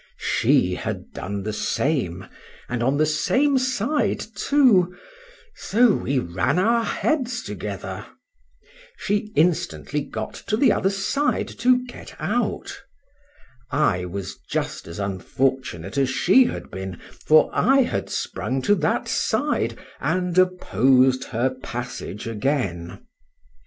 —She had done the same, and on the same side too; so we ran our heads together: she instantly got to the other side to get out: I was just as unfortunate as she had been, for I had sprung to that side, and opposed her passage again.